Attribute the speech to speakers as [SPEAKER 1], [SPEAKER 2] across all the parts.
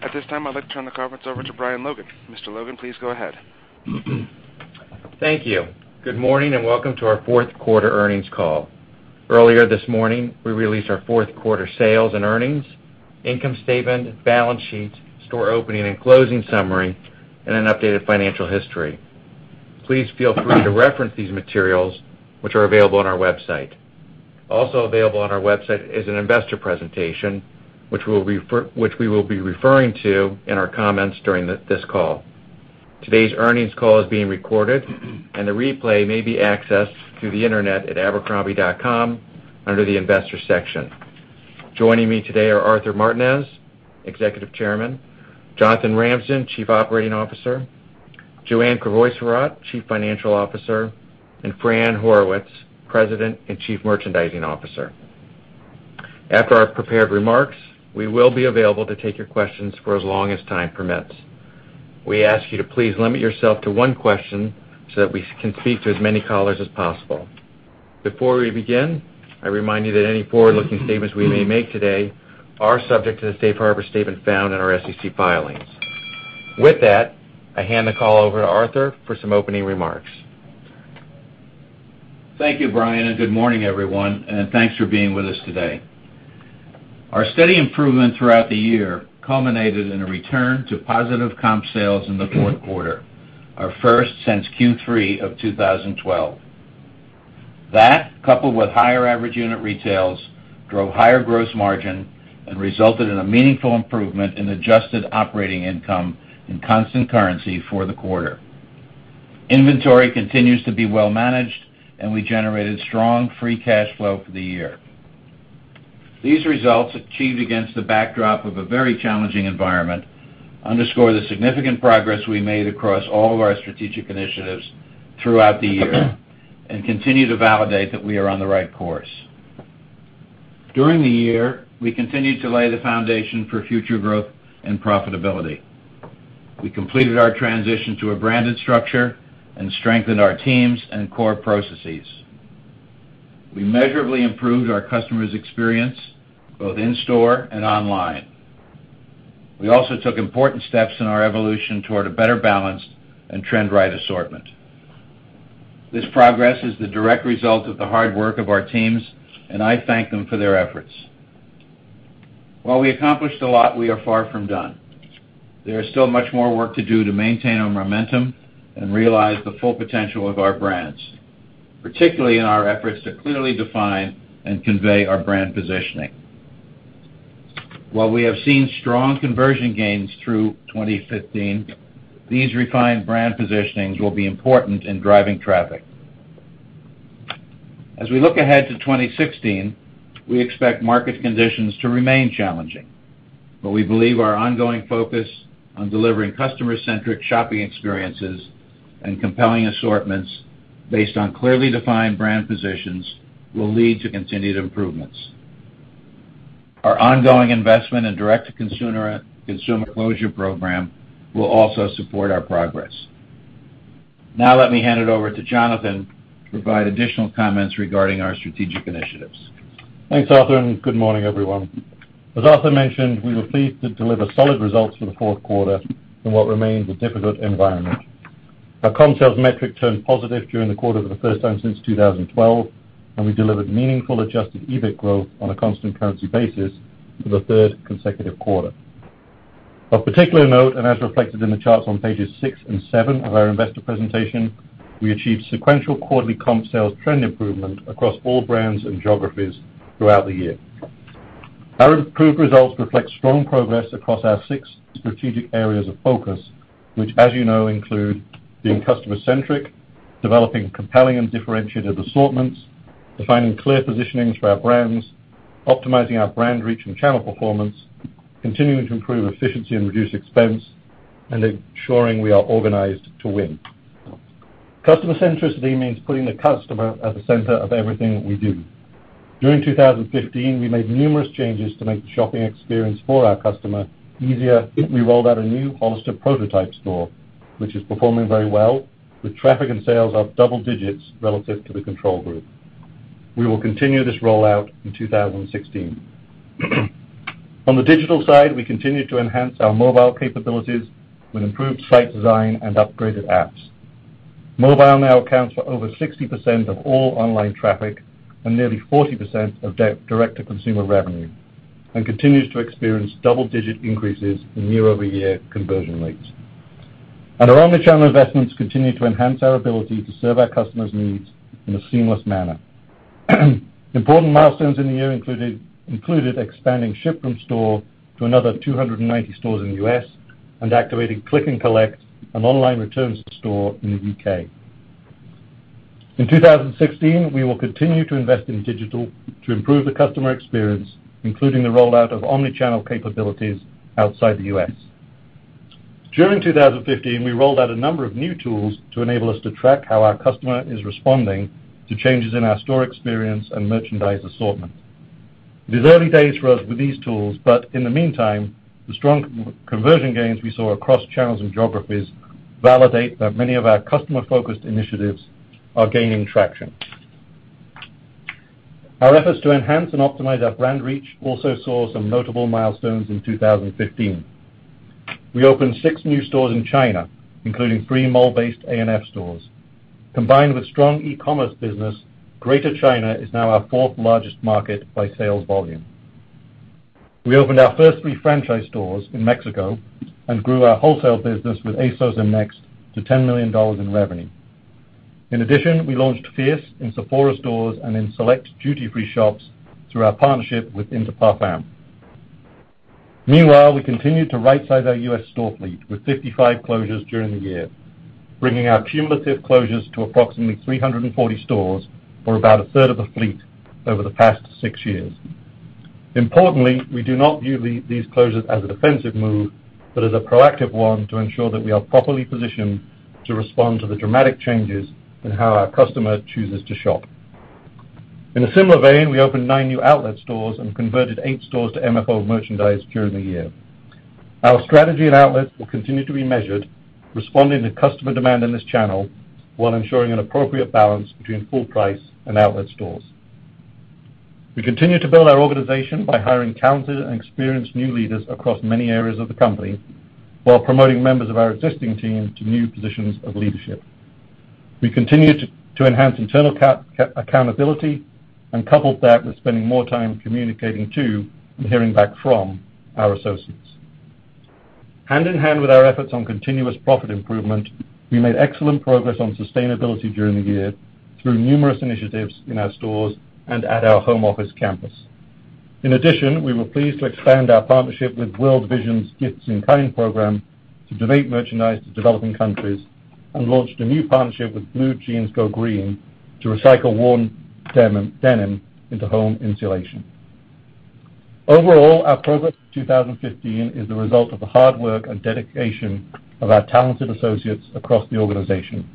[SPEAKER 1] At this time, I'd like to turn the conference over to Brian Logan. Mr. Logan, please go ahead.
[SPEAKER 2] Thank you. Good morning, and welcome to our fourth quarter earnings call. Earlier this morning, we released our fourth quarter sales and earnings, income statement, balance sheet, store opening and closing summary, and an updated financial history. Please feel free to reference these materials, which are available on our website. Also available on our website is an investor presentation, which we will be referring to in our comments during this call. Today's earnings call is being recorded, and a replay may be accessed through the internet at abercrombie.com under the investor section. Joining me today are Arthur Martinez, Executive Chairman, Jonathan Ramsden, Chief Operating Officer, Joanne Crevoiserat, Chief Financial Officer, and Fran Horowitz, President and Chief Merchandising Officer. After our prepared remarks, we will be available to take your questions for as long as time permits. We ask you to please limit yourself to one question so that we can speak to as many callers as possible. Before we begin, I remind you that any forward-looking statements we may make today are subject to the safe harbor statement found in our SEC filings. With that, I hand the call over to Arthur for some opening remarks.
[SPEAKER 3] Thank you, Brian, and good morning, everyone, and thanks for being with us today. Our steady improvement throughout the year culminated in a return to positive comp sales in the fourth quarter, our first since Q3 of 2012. That, coupled with higher average unit retails, drove higher gross margin and resulted in a meaningful improvement in adjusted operating income in constant currency for the quarter. Inventory continues to be well managed, and we generated strong free cash flow for the year. These results, achieved against the backdrop of a very challenging environment, underscore the significant progress we made across all of our strategic initiatives throughout the year and continue to validate that we are on the right course. During the year, we continued to lay the foundation for future growth and profitability. We completed our transition to a branded structure and strengthened our teams and core processes. We measurably improved our customer's experience both in store and online. We also took important steps in our evolution toward a better balanced and trend-right assortment. This progress is the direct result of the hard work of our teams, and I thank them for their efforts. While we accomplished a lot, we are far from done. There is still much more work to do to maintain our momentum and realize the full potential of our brands, particularly in our efforts to clearly define and convey our brand positioning. While we have seen strong conversion gains through 2015, these refined brand positionings will be important in driving traffic. As we look ahead to 2016, we expect market conditions to remain challenging, but we believe our ongoing focus on delivering customer-centric shopping experiences and compelling assortments based on clearly defined brand positions will lead to continued improvements. Our ongoing investment in direct-to-consumer closure program will also support our progress. Let me hand it over to Jonathan to provide additional comments regarding our strategic initiatives.
[SPEAKER 4] Thanks, Arthur. Good morning, everyone. As Arthur mentioned, we were pleased to deliver solid results for the fourth quarter in what remains a difficult environment. Our comp sales metric turned positive during the quarter for the first time since 2012, and we delivered meaningful adjusted EBIT growth on a constant currency basis for the third consecutive quarter. Of particular note, and as reflected in the charts on pages six and seven of our investor presentation, we achieved sequential quarterly comp sales trend improvement across all brands and geographies throughout the year. Our improved results reflect strong progress across our six strategic areas of focus, which as you know, include being customer-centric, developing compelling and differentiated assortments, defining clear positionings for our brands, optimizing our brand reach and channel performance, continuing to improve efficiency and reduce expense, and ensuring we are organized to win. Customer centricity means putting the customer at the center of everything that we do. During 2015, we made numerous changes to make the shopping experience for our customer easier. We rolled out a new Hollister prototype store, which is performing very well, with traffic and sales up double digits relative to the control group. We will continue this rollout in 2016. On the digital side, we continue to enhance our mobile capabilities with improved site design and upgraded apps. Mobile now accounts for over 60% of all online traffic and nearly 40% of direct-to-consumer revenue and continues to experience double-digit increases in year-over-year conversion rates. Our omnichannel investments continue to enhance our ability to serve our customers' needs in a seamless manner. Important milestones in the year included expanding ship from store to another 290 stores in the U.S. and activating click and collect and online returns to store in the U.K. In 2016, we will continue to invest in digital to improve the customer experience, including the rollout of omnichannel capabilities outside the U.S. During 2015, we rolled out a number of new tools to enable us to track how our customer is responding to changes in our store experience and merchandise assortment. It is early days for us with these tools, but in the meantime, the strong conversion gains we saw across channels and geographies validate that many of our customer-focused initiatives are gaining traction. Our efforts to enhance and optimize our brand reach also saw some notable milestones in 2015. We opened six new stores in China, including three mall-based A&F stores. Combined with strong e-commerce business, Greater China is now our fourth largest market by sales volume. We opened our first three franchise stores in Mexico and grew our wholesale business with ASOS and Next to $10 million in revenue. In addition, we launched Fierce in Sephora stores and in select duty-free shops through our partnership with Interparfums. Meanwhile, we continued to right-size our U.S. store fleet with 55 closures during the year, bringing our cumulative closures to approximately 340 stores or about a third of the fleet over the past six years. Importantly, we do not view these closures as a defensive move, but as a proactive one to ensure that we are properly positioned to respond to the dramatic changes in how our customer chooses to shop. In a similar vein, we opened nine new outlet stores and converted eight stores to MFO merchandise during the year. Our strategy in outlets will continue to be measured, responding to customer demand in this channel while ensuring an appropriate balance between full price and outlet stores. We continue to build our organization by hiring talented and experienced new leaders across many areas of the company while promoting members of our existing team to new positions of leadership. We continue to enhance internal accountability and coupled that with spending more time communicating to and hearing back from our associates. Hand-in-hand with our efforts on continuous profit improvement, we made excellent progress on sustainability during the year through numerous initiatives in our stores and at our home office campus. In addition, we were pleased to expand our partnership with World Vision's Gifts-in-Kind program to donate merchandise to developing countries, and launched a new partnership with Blue Jeans Go Green to recycle worn denim into home insulation. Overall, our progress in 2015 is the result of the hard work and dedication of our talented associates across the organization.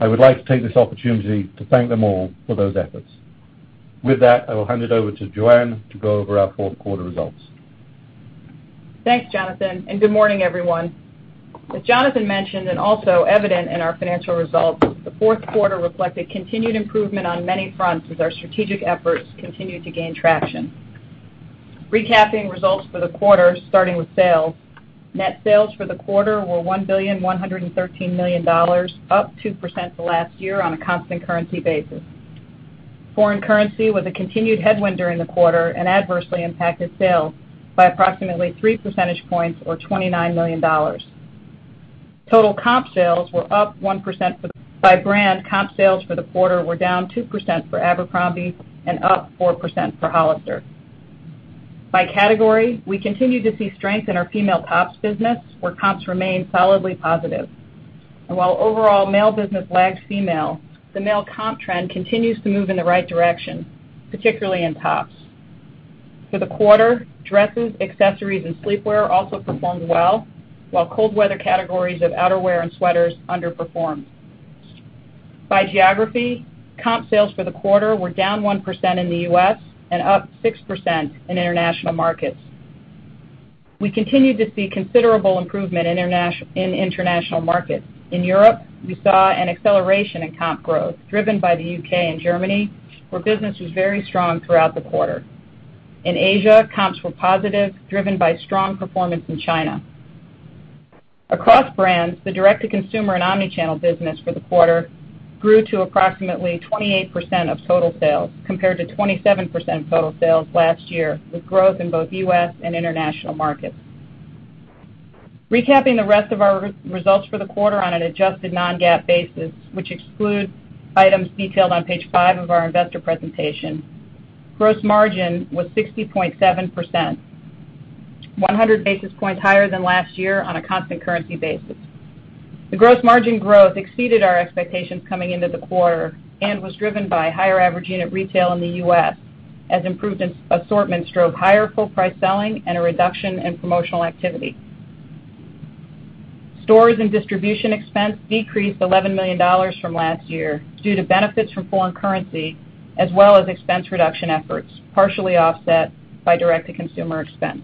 [SPEAKER 4] I would like to take this opportunity to thank them all for those efforts. With that, I will hand it over to Joanne to go over our fourth quarter results.
[SPEAKER 5] Thanks, Jonathan, and good morning, everyone. As Jonathan mentioned, also evident in our financial results, the fourth quarter reflected continued improvement on many fronts as our strategic efforts continued to gain traction. Recapping results for the quarter, starting with sales. Net sales for the quarter were $1,113,000,000, up 2% from last year on a constant currency basis. Foreign currency was a continued headwind during the quarter and adversely impacted sales by approximately 3 percentage points or $29 million. Total comp sales were up 1%. By brand, comp sales for the quarter were down 2% for Abercrombie and up 4% for Hollister. By category, we continue to see strength in our female tops business, where comps remain solidly positive. While overall male business lags female, the male comp trend continues to move in the right direction, particularly in tops. For the quarter, dresses, accessories, and sleepwear also performed well, while cold weather categories of outerwear and sweaters underperformed. By geography, comp sales for the quarter were down 1% in the U.S. and up 6% in international markets. We continued to see considerable improvement in international markets. In Europe, we saw an acceleration in comp growth driven by the U.K. and Germany, where business was very strong throughout the quarter. In Asia, comps were positive, driven by strong performance in China. Across brands, the direct-to-consumer and omnichannel business for the quarter grew to approximately 28% of total sales, compared to 27% of total sales last year, with growth in both U.S. and international markets. Recapping the rest of our results for the quarter on an adjusted non-GAAP basis, which excludes items detailed on page five of our investor presentation. Gross margin was 60.7%, 100 basis points higher than last year on a constant currency basis. The gross margin growth exceeded our expectations coming into the quarter and was driven by higher average unit retail in the U.S., as improvements in assortment drove higher full price selling and a reduction in promotional activity. Stores and distribution expense decreased $11 million from last year due to benefits from foreign currency, as well as expense reduction efforts, partially offset by direct-to-consumer expense.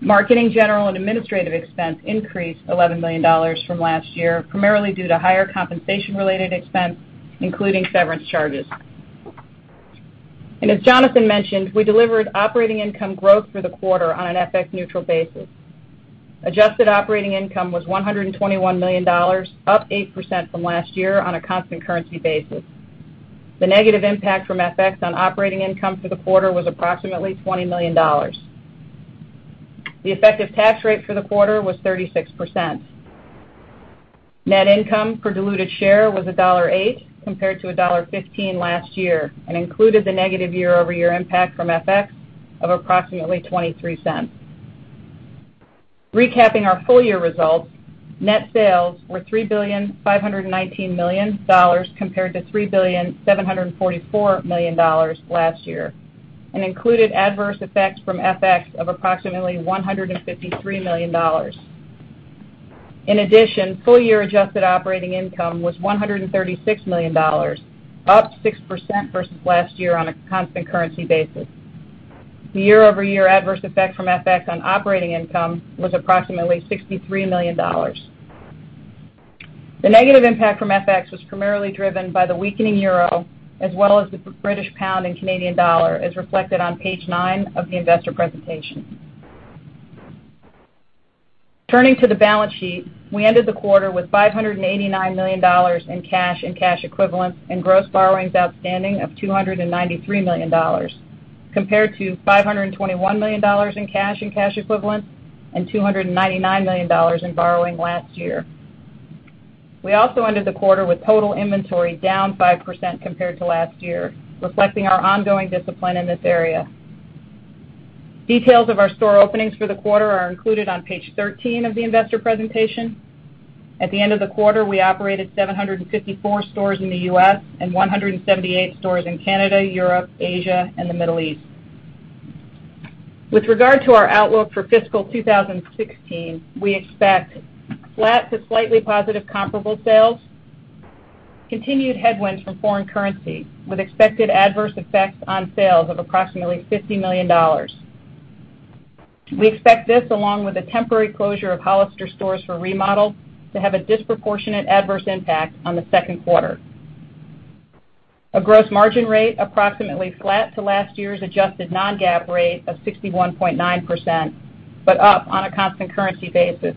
[SPEAKER 5] Marketing, general, and administrative expense increased $11 million from last year, primarily due to higher compensation-related expense, including severance charges. As Jonathan mentioned, we delivered operating income growth for the quarter on an FX neutral basis. Adjusted operating income was $121 million, up 8% from last year on a constant currency basis. The negative impact from FX on operating income for the quarter was approximately $20 million. The effective tax rate for the quarter was 36%. Net income per diluted share was $1.08, compared to $1.15 last year, and included the negative year-over-year impact from FX of approximately $0.23. Recapping our full-year results, net sales were $3,519,000,000 compared to $3,744,000,000 last year, and included adverse effects from FX of approximately $153 million. In addition, full-year adjusted operating income was $136 million, up 6% versus last year on a constant currency basis. The year-over-year adverse effect from FX on operating income was approximately $63 million. The negative impact from FX was primarily driven by the weakening euro, as well as the British pound and Canadian dollar, as reflected on page nine of the investor presentation. Turning to the balance sheet, we ended the quarter with $589 million in cash and cash equivalents, and gross borrowings outstanding of $293 million, compared to $521 million in cash and cash equivalents and $299 million in borrowing last year. We also ended the quarter with total inventory down 5% compared to last year, reflecting our ongoing discipline in this area. Details of our store openings for the quarter are included on page 13 of the investor presentation. At the end of the quarter, we operated 754 stores in the U.S. and 178 stores in Canada, Europe, Asia, and the Middle East. With regard to our outlook for fiscal 2016, we expect flat to slightly positive comparable sales, continued headwinds from foreign currency, with expected adverse effects on sales of approximately $50 million. We expect this, along with the temporary closure of Hollister stores for remodels, to have a disproportionate adverse impact on the second quarter. A gross margin rate approximately flat to last year's adjusted non-GAAP rate of 61.9%, but up on a constant currency basis,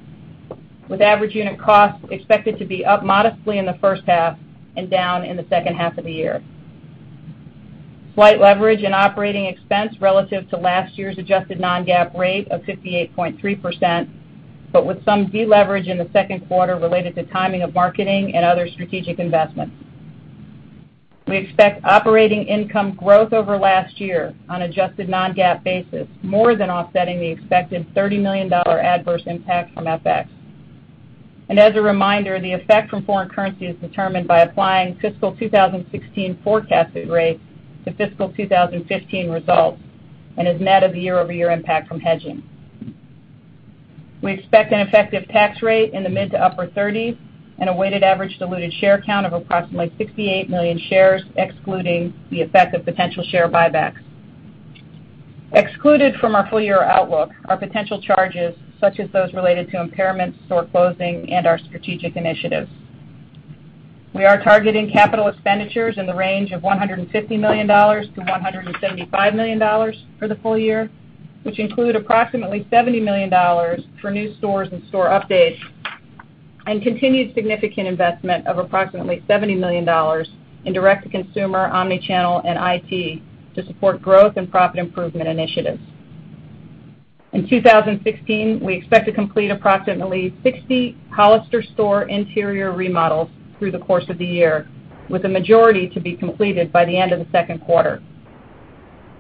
[SPEAKER 5] with average unit costs expected to be up modestly in the first half and down in the second half of the year. Slight leverage in operating expense relative to last year's adjusted non-GAAP rate of 58.3%, but with some de-leverage in the second quarter related to timing of marketing and other strategic investments. We expect operating income growth over last year on adjusted non-GAAP basis, more than offsetting the expected $30 million adverse impact from FX. As a reminder, the effect from foreign currency is determined by applying fiscal 2016 forecasted rates to fiscal 2015 results, and is net of year-over-year impact from hedging. We expect an effective tax rate in the mid to upper 30s, and a weighted average diluted share count of approximately 68 million shares, excluding the effect of potential share buybacks. Excluded from our full-year outlook are potential charges such as those related to impairments, store closing, and our strategic initiatives. We are targeting capital expenditures in the range of $150 million-$175 million for the full-year, which include approximately $70 million for new stores and store updates, and continued significant investment of approximately $70 million in direct-to-consumer, omnichannel, and IT to support growth and profit improvement initiatives. In 2016, we expect to complete approximately 60 Hollister store interior remodels through the course of the year, with the majority to be completed by the end of the second quarter.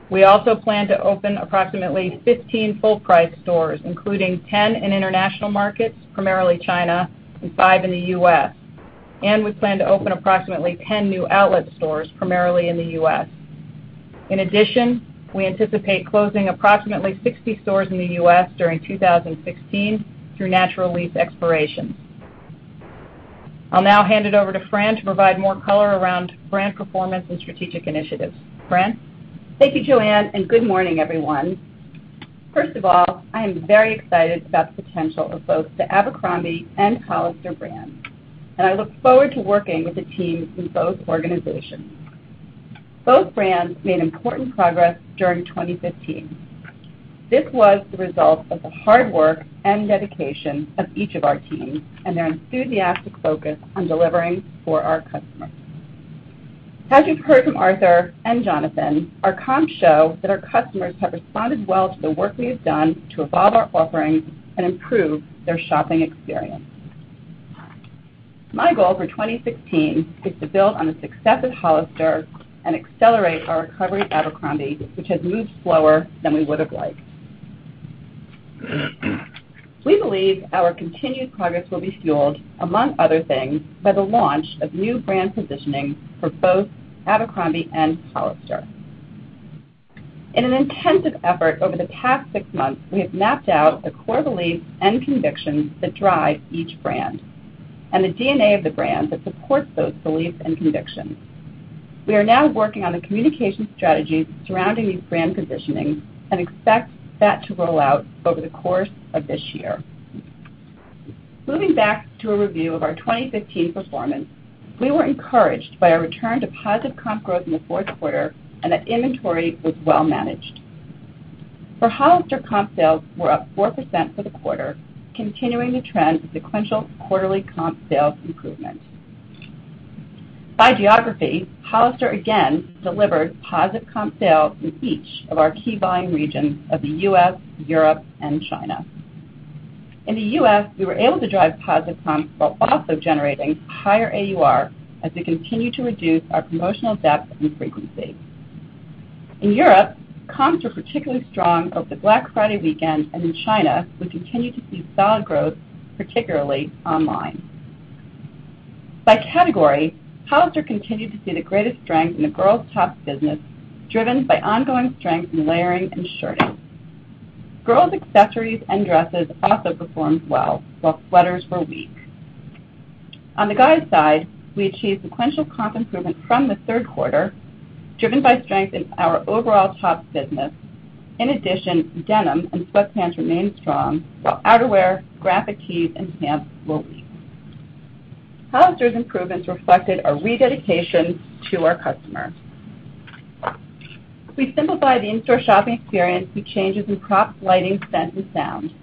[SPEAKER 5] We also plan to open approximately 15 full-price stores, including 10 in international markets, primarily China, and five in the U.S. We plan to open approximately 10 new outlet stores, primarily in the U.S. In addition, we anticipate closing approximately 60 stores in the U.S. during 2016 through natural lease expirations. I'll now hand it over to Fran to provide more color around brand performance and strategic initiatives. Fran?
[SPEAKER 6] Thank you, Joanne, good morning, everyone. First of all, I am very excited about the potential of both the Abercrombie and Hollister brands, I look forward to working with the teams in both organizations. Both brands made important progress during 2015. This was the result of the hard work and dedication of each of our teams and their enthusiastic focus on delivering for our customers. As you've heard from Arthur and Jonathan, our comps show that our customers have responded well to the work we have done to evolve our offerings and improve their shopping experience. My goal for 2016 is to build on the success of Hollister and accelerate our recovery at Abercrombie, which has moved slower than we would have liked. We believe our continued progress will be fueled, among other things, by the launch of new brand positioning for both Abercrombie and Hollister. In an intensive effort over the past six months, we have mapped out the core beliefs and convictions that drive each brand, the DNA of the brand that supports those beliefs and convictions. We are now working on the communication strategies surrounding these brand positionings and expect that to roll out over the course of this year. Moving back to a review of our 2015 performance, we were encouraged by a return to positive comp growth in the fourth quarter and that inventory was well managed. For Hollister, comp sales were up 4% for the quarter, continuing the trend of sequential quarterly comp sales improvement. By geography, Hollister again delivered positive comp sales in each of our key volume regions of the U.S., Europe, and China. In the U.S., we were able to drive positive comps while also generating higher AUR as we continue to reduce our promotional depth and frequency. In Europe, comps were particularly strong over the Black Friday weekend, in China, we continue to see solid growth, particularly online. By category, Hollister continued to see the greatest strength in the girls' top business, driven by ongoing strength in layering and shirting. Girls' accessories and dresses also performed well, while sweaters were weak. On the guys side, we achieved sequential comp improvement from the third quarter driven by strength in our overall tops business. In addition, denim and sweatpants remained strong, while outerwear, graphic tees, and pants were weak. Hollister's improvements reflected our rededication to our customer. We simplified the in-store shopping experience with changes in props, lighting, scent, and sound.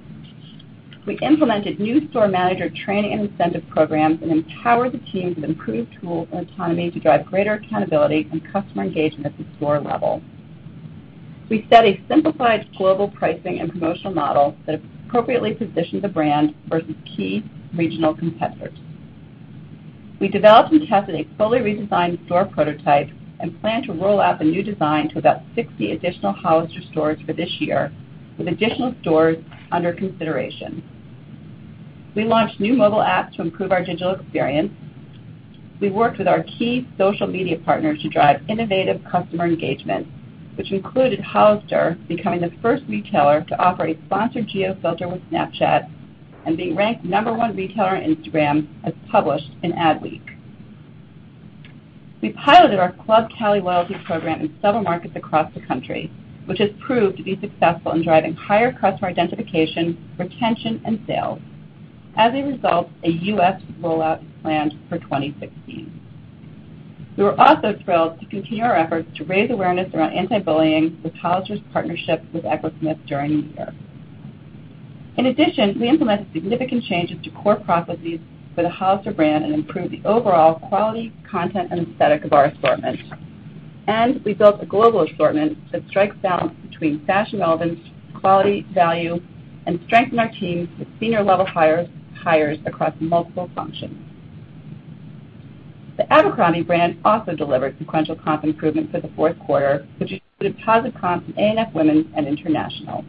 [SPEAKER 6] We implemented new store manager training and incentive programs, empowered the teams with improved tools and autonomy to drive greater accountability and customer engagement at the store level. We set a simplified global pricing and promotional model that appropriately positioned the brand versus key regional competitors. We developed and tested a fully redesigned store prototype, plan to roll out the new design to about 60 additional Hollister stores for this year, with additional stores under consideration. We launched new mobile apps to improve our digital experience. We worked with our key social media partners to drive innovative customer engagement, which included Hollister becoming the first retailer to offer a sponsored geo filter with Snapchat and being ranked number one retailer on Instagram as published in Adweek. We piloted our Club Cali loyalty program in several markets across the country, which has proved to be successful in driving higher customer identification, retention, and sales. As a result, a U.S. rollout is planned for 2016. We were also thrilled to continue our efforts to raise awareness around anti-bullying with Hollister's partnership with Echosmith during the year. In addition, we implemented significant changes to core processes for the Hollister brand and improved the overall quality, content, and aesthetic of our assortment. We built a global assortment that strikes a balance between fashion relevance, quality, value, and strengthened our teams with senior level hires across multiple functions. The Abercrombie brand also delivered sequential comp improvements for the fourth quarter, which included positive comps in A&F Women and International.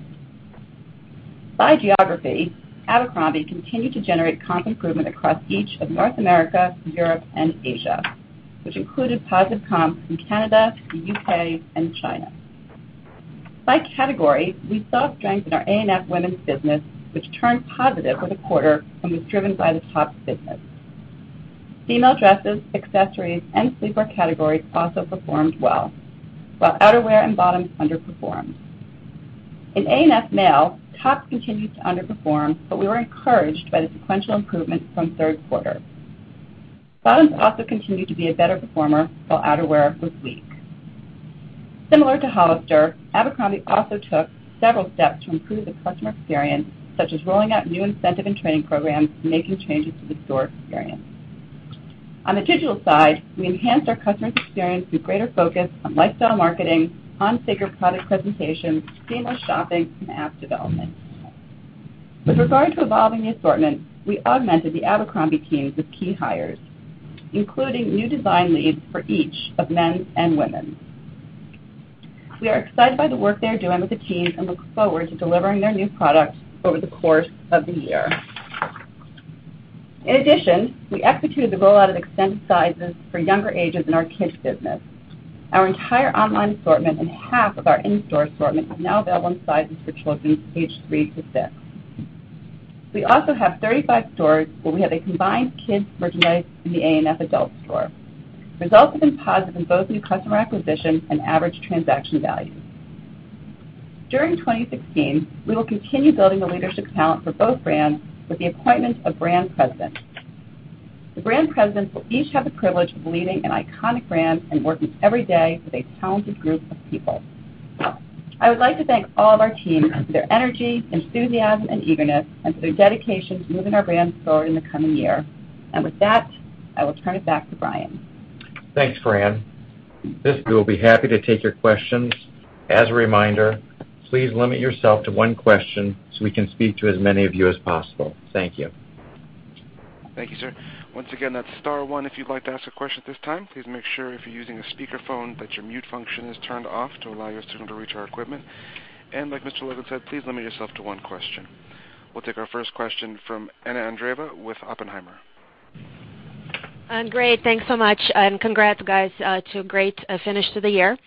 [SPEAKER 6] By geography, Abercrombie continued to generate comp improvement across each of North America, Europe, and Asia, which included positive comps in Canada, the U.K., and China. By category, we saw strength in our A&F Women's business, which turned positive for the quarter and was driven by the tops business. Female dresses, accessories, and sleepwear categories also performed well, while outerwear and bottoms underperformed. In A&F Male, tops continued to underperform, but we were encouraged by the sequential improvement from third quarter. Bottoms also continued to be a better performer, while outerwear was weak. Similar to Hollister, Abercrombie also took several steps to improve the customer experience, such as rolling out new incentive and training programs and making changes to the store experience. On the digital side, we enhanced our customer's experience through greater focus on lifestyle marketing, on figure product presentation, seamless shopping, and app development. With regard to evolving the assortment, we augmented the Abercrombie teams with key hires, including new design leads for each of men's and women's. We are excited by the work they are doing with the teams and look forward to delivering their new products over the course of the year. In addition, we executed the rollout of extended sizes for younger ages in our kids business. Our entire online assortment and half of our in-store assortment is now available in sizes for children aged three to six. We also have 35 stores where we have a combined kids merchandise in the A&F adult store. Results have been positive in both new customer acquisition and average transaction value. During 2016, we will continue building the leadership talent for both brands with the appointment of brand presidents. The brand presidents will each have the privilege of leading an iconic brand and working every day with a talented group of people. I would like to thank all of our teams for their energy, enthusiasm, and eagerness and for their dedication to moving our brands forward in the coming year. With that, I will turn it back to Brian.
[SPEAKER 2] Thanks, Fran. We will be happy to take your questions. As a reminder, please limit yourself to one question so we can speak to as many of you as possible. Thank you.
[SPEAKER 1] Thank you, sir. Once again, that's star one if you'd like to ask a question at this time. Please make sure if you're using a speakerphone, that your mute function is turned off to allow your signal to reach our equipment. Like Mr. Logan said, please limit yourself to one question. We'll take our first question from Anna Andreeva with Oppenheimer.
[SPEAKER 7] Great. Thanks so much. Congrats, guys, to a great finish to the year.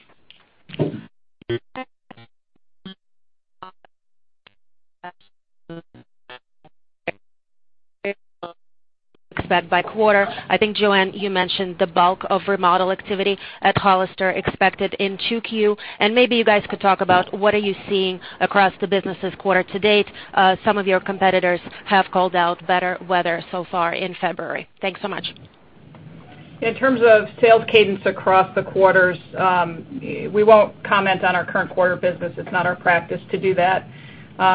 [SPEAKER 7] Expect by quarter. I think, Joanne, you mentioned the bulk of remodel activity at Hollister expected in 2Q. Maybe you guys could talk about what are you seeing across the business this quarter to date. Some of your competitors have called out better weather so far in February. Thanks so much.
[SPEAKER 5] In terms of sales cadence across the quarters, we won't comment on our current quarter business. It's not our practice to do that.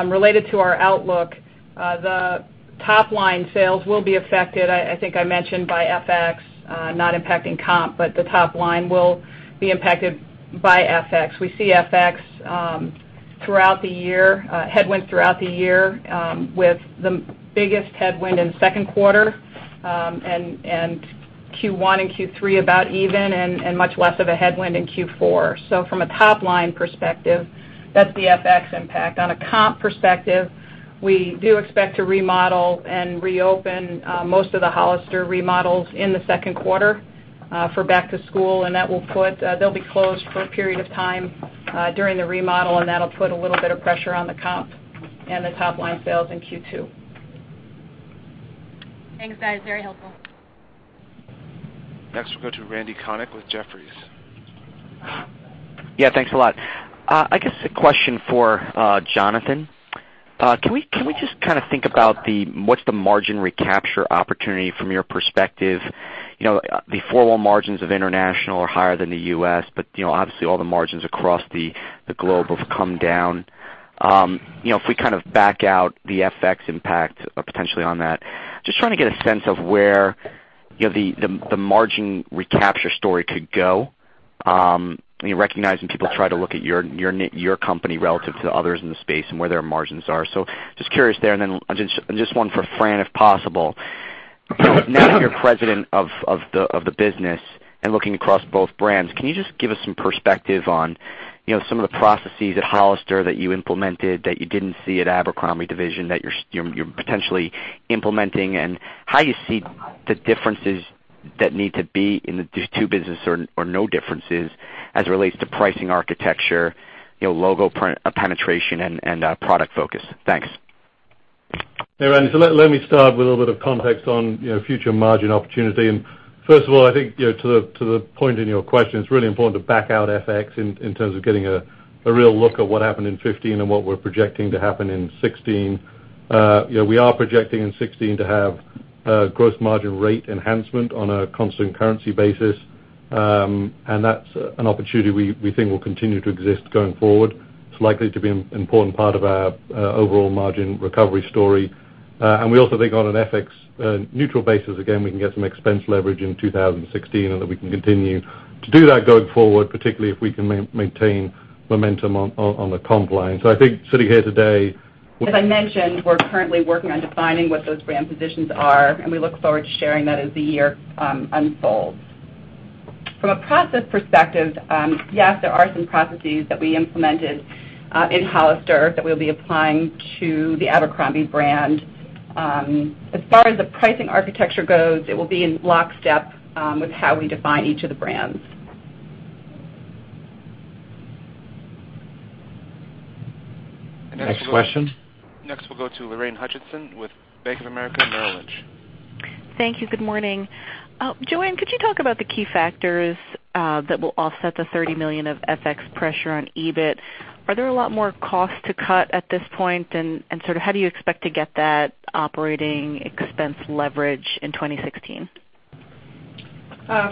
[SPEAKER 5] Related to our outlook, the top-line sales will be affected, I think I mentioned by FX, not impacting comp, but the top line will be impacted by FX. We see FX throughout the year, headwinds throughout the year, with the biggest headwind in the second quarter. Q1 and Q3 about even and much less of a headwind in Q4. From a top-line perspective, that's the FX impact. On a comp perspective, we do expect to remodel and reopen most of the Hollister remodels in the second quarter for back to school. They'll be closed for a period of time during the remodel. That'll put a little bit of pressure on the comp and the top-line sales in Q2.
[SPEAKER 7] Thanks, guys. Very helpful.
[SPEAKER 1] Next, we'll go to Randy Konik with Jefferies.
[SPEAKER 8] Yeah. Thanks a lot. I guess a question for Jonathan. Can we just think about what's the margin recapture opportunity from your perspective? The forward margins of international are higher than the U.S., but obviously all the margins across the globe have come down. If we back out the FX impact potentially on that, just trying to get a sense of where the margin recapture story could go, recognizing people try to look at your company relative to others in the space and where their margins are. Just curious there, and then just one for Fran, if possible. Now you're president of the business and looking across both brands, can you just give us some perspective on some of the processes at Hollister that you implemented that you didn't see at Abercrombie division that you're potentially implementing, and how you see the differences that need to be in these two business or no differences as it relates to pricing architecture, logo penetration, and product focus? Thanks.
[SPEAKER 4] Hey, Randy. Let me start with a little bit of context on future margin opportunity. First of all, I think to the point in your question, it's really important to back out FX in terms of getting a real look at what happened in 2015 and what we're projecting to happen in 2016. We are projecting in 2016 to have gross margin rate enhancement on a constant currency basis, and that's an opportunity we think will continue to exist going forward. It's likely to be an important part of our overall margin recovery story. We also think on an FX neutral basis, again, we can get some expense leverage in 2016, and that we can continue to do that going forward, particularly if we can maintain momentum on the comp line. I think sitting here today.
[SPEAKER 6] As I mentioned, we're currently working on defining what those brand positions are, and we look forward to sharing that as the year unfolds. From a process perspective, yes, there are some processes that we implemented in Hollister that we'll be applying to the Abercrombie brand. As far as the pricing architecture goes, it will be in lockstep with how we define each of the brands.
[SPEAKER 1] Next question. Next, we'll go to Lorraine Hutchinson with Bank of America Merrill Lynch.
[SPEAKER 9] Thank you. Good morning. Joanne, could you talk about the key factors that will offset the $30 million of FX pressure on EBIT? Are there a lot more costs to cut at this point, and how do you expect to get that operating expense leverage in 2016?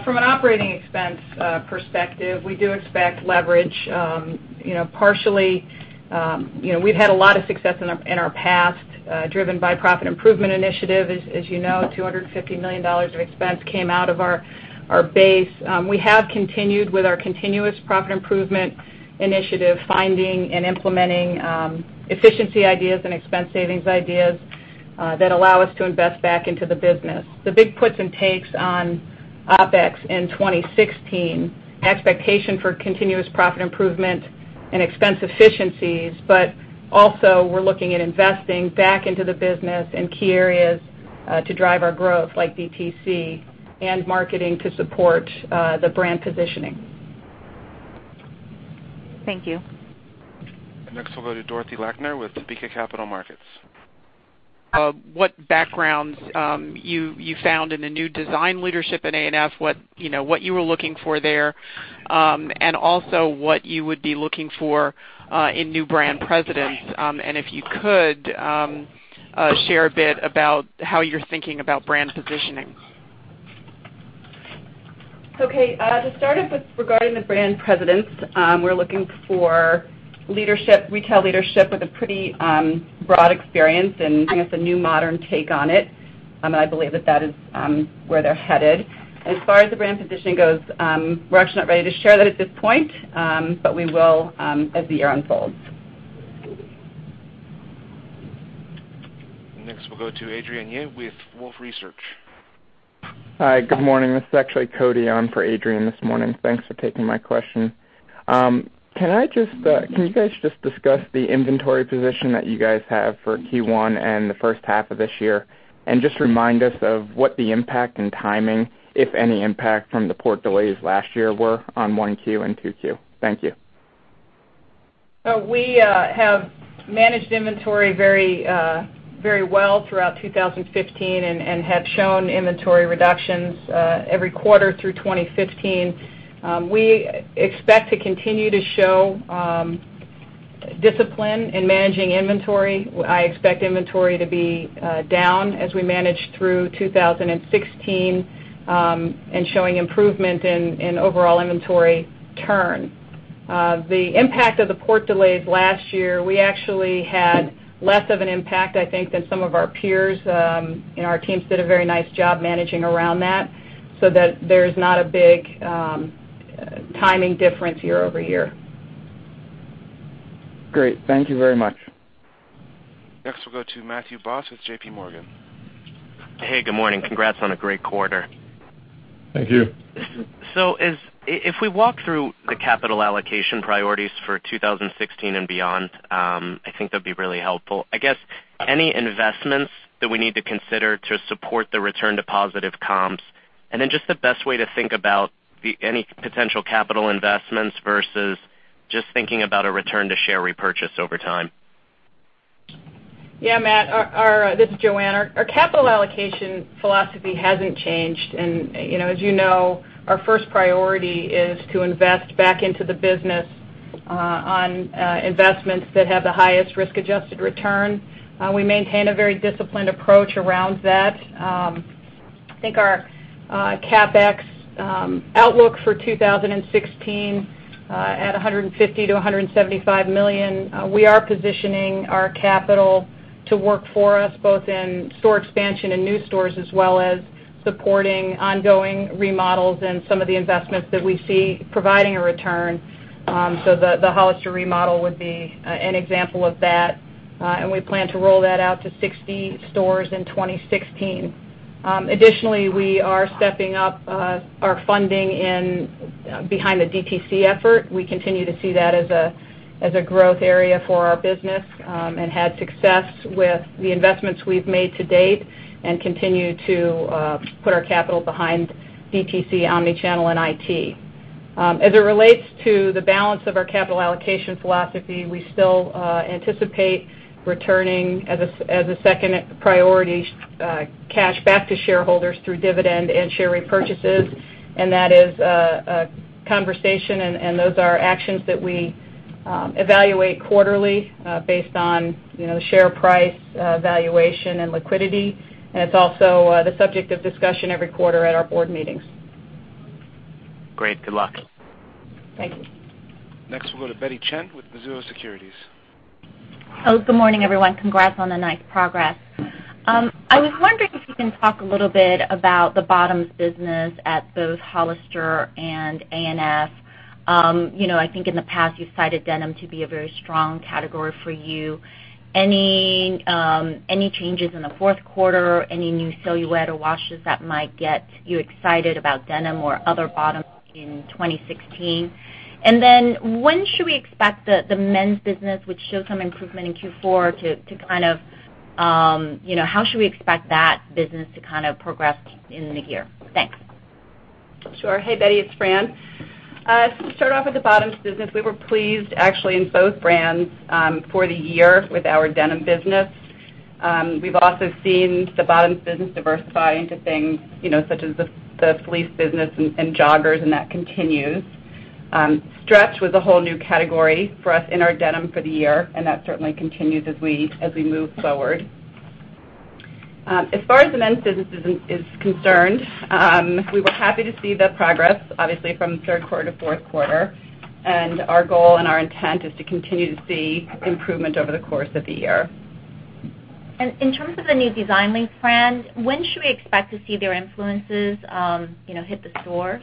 [SPEAKER 5] From an operating expense perspective, we do expect leverage. Partially, we've had a lot of success in our past, driven by profit improvement initiative. As you know, $250 million of expense came out of our base. We have continued with our continuous profit improvement initiative, finding and implementing efficiency ideas and expense savings ideas that allow us to invest back into the business. The big puts and takes on OpEx in 2016, expectation for continuous profit improvement and expense efficiencies, also we're looking at investing back into the business in key areas to drive our growth, like DTC and marketing to support the brand positioning.
[SPEAKER 9] Thank you.
[SPEAKER 1] Next, we'll go to Dorothy Lakner with Topeka Capital Markets.
[SPEAKER 10] What backgrounds you found in the new design leadership at A&F, what you were looking for there, and also what you would be looking for in new brand presidents. If you could, share a bit about how you're thinking about brand positioning.
[SPEAKER 6] Okay. To start with regarding the brand presidents, we're looking for retail leadership with a pretty broad experience and bring us a new modern take on it, I believe that that is where they're headed. As far as the brand positioning goes, we're actually not ready to share that at this point, but we will as the year unfolds.
[SPEAKER 1] We'll go to Adrian Yeh with Wolfe Research.
[SPEAKER 11] Hi. Good morning. This is actually Cody on for Adrian this morning. Thanks for taking my question. Can you guys just discuss the inventory position that you guys have for Q1 and the first half of this year? Just remind us of what the impact and timing, if any impact from the port delays last year were on 1Q and 2Q. Thank you.
[SPEAKER 5] We have managed inventory very well throughout 2015 and have shown inventory reductions every quarter through 2015. We expect to continue to show discipline in managing inventory. I expect inventory to be down as we manage through 2016, showing improvement in overall inventory turn. The impact of the port delays last year, we actually had less of an impact, I think, than some of our peers. Our teams did a very nice job managing around that so that there's not a big timing difference year-over-year.
[SPEAKER 11] Great. Thank you very much.
[SPEAKER 1] Next, we'll go to Matthew Boss with JP Morgan.
[SPEAKER 12] Hey, good morning. Congrats on a great quarter.
[SPEAKER 4] Thank you.
[SPEAKER 12] If we walk through the capital allocation priorities for 2016 and beyond, I think that'd be really helpful. I guess any investments that we need to consider to support the return to positive comps, and then just the best way to think about any potential capital investments versus Just thinking about a return to share repurchase over time.
[SPEAKER 5] Yeah, Matt, this is Joanne. Our capital allocation philosophy hasn't changed. As you know, our first priority is to invest back into the business on investments that have the highest risk-adjusted return. We maintain a very disciplined approach around that. I think our CapEx outlook for 2016, at $150 million-$175 million, we are positioning our capital to work for us, both in store expansion and new stores, as well as supporting ongoing remodels and some of the investments that we see providing a return. The Hollister remodel would be an example of that, and we plan to roll that out to 60 stores in 2016. Additionally, we are stepping up our funding behind the DTC effort. We continue to see that as a growth area for our business, had success with the investments we've made to date, and continue to put our capital behind DTC, omni-channel, and IT. As it relates to the balance of our capital allocation philosophy, we still anticipate returning, as a second priority, cash back to shareholders through dividend and share repurchases. That is a conversation, and those are actions that we evaluate quarterly based on share price, valuation, and liquidity. It's also the subject of discussion every quarter at our board meetings.
[SPEAKER 12] Great. Good luck.
[SPEAKER 5] Thank you.
[SPEAKER 1] Next, we'll go to Betty Chen with Mizuho Securities.
[SPEAKER 13] Good morning, everyone. Congrats on the nice progress. I was wondering if you can talk a little bit about the bottoms business at both Hollister and ANF. I think in the past, you've cited denim to be a very strong category for you. Any changes in the fourth quarter? Any new silhouette or washes that might get you excited about denim or other bottoms in 2016? Then when should we expect the men's business, which showed some improvement in Q4, how should we expect that business to progress in the year? Thanks.
[SPEAKER 6] Sure. Hey, Betty, it's Fran. To start off with the bottoms business, we were pleased, actually, in both brands, for the year with our denim business. We've also seen the bottoms business diversify into things such as the fleece business and joggers, and that continues. Stretch was a whole new category for us in our denim for the year, and that certainly continues as we move forward. As far as the men's business is concerned, we were happy to see the progress, obviously, from third quarter to fourth quarter. Our goal and our intent is to continue to see improvement over the course of the year.
[SPEAKER 13] In terms of the new design lead, Fran, when should we expect to see their influences hit the stores?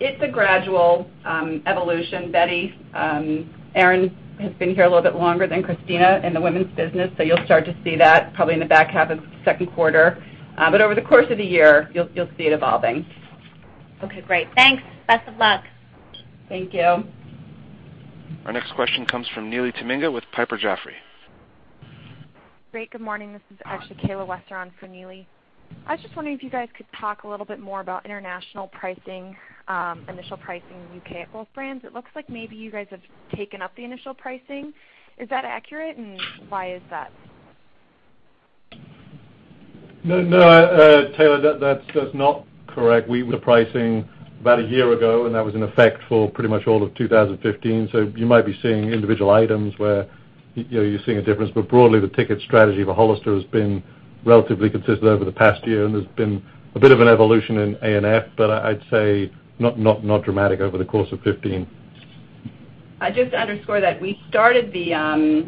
[SPEAKER 6] It's a gradual evolution, Betty. Erin has been here a little bit longer than Christina in the women's business, so you'll start to see that probably in the back half of the second quarter. Over the course of the year, you'll see it evolving.
[SPEAKER 13] Okay, great. Thanks. Best of luck.
[SPEAKER 6] Thank you.
[SPEAKER 1] Our next question comes from Neely Tamminga with Piper Jaffray.
[SPEAKER 14] Great. Good morning. This is actually Kayla Wesser on for Neely. I was just wondering if you guys could talk a little bit more about international pricing, initial pricing in U.K. at both brands. It looks like maybe you guys have taken up the initial pricing. Is that accurate, and why is that?
[SPEAKER 4] No, Kayla, that's not correct. We The pricing about a year ago, and that was in effect for pretty much all of 2015. You might be seeing individual items where you're seeing a difference. Broadly, the ticket strategy for Hollister has been relatively consistent over the past year, and there's been a bit of an evolution in ANF, but I'd say not dramatic over the course of 2015.
[SPEAKER 6] Just to underscore that, we started the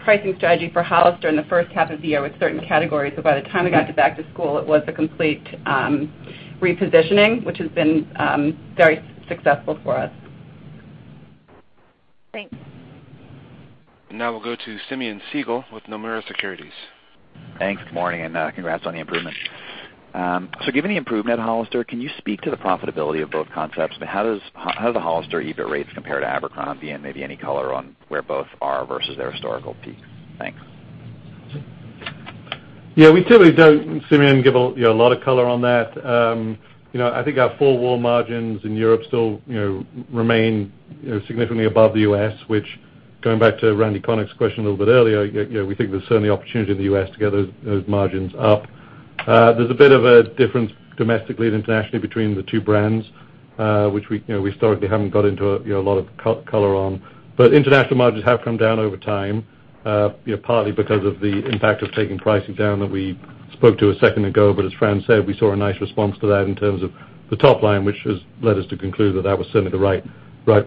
[SPEAKER 6] pricing strategy for Hollister in the first half of the year with certain categories. By the time it got to back to school, it was a complete repositioning, which has been very successful for us.
[SPEAKER 14] Thanks.
[SPEAKER 1] Now we'll go to Simeon Siegel with Nomura Securities.
[SPEAKER 15] Thanks. Good morning, and congrats on the improvement. Given the improvement at Hollister, can you speak to the profitability of both concepts? How do the Hollister EBIT rates compare to Abercrombie, and maybe any color on where both are versus their historical peaks? Thanks.
[SPEAKER 4] Yeah, we typically don't, Simeon, give a lot of color on that. I think our four-wall margins in Europe still remain significantly above the U.S., which, going back to Randal Konik's question a little bit earlier, we think there's certainly opportunity in the U.S. to get those margins up. There's a bit of a difference domestically and internationally between the two brands, which we historically haven't got into a lot of color on. International margins have come down over time, partly because of the impact of taking pricing down that we spoke to a second ago. As Fran said, we saw a nice response to that in terms of the top line, which has led us to conclude that that was certainly the right